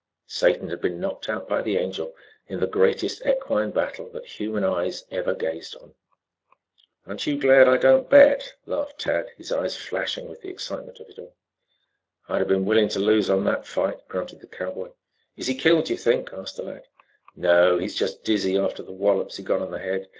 Satan had been knocked out by the Angel, in the greatest equine battle that human eyes ever had gazed on. "Aren't you glad I don't bet?" laughed Tad, his eyes flashing with the excitement of it all. "I'd been willing to lose on that fight," grunted the cowboy. "Is he killed, do you think?" asked the lad. "No; he's just dizzy after the wallops he got on the head.